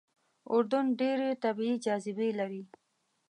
اردن ډېرې طبیعي جاذبې لري.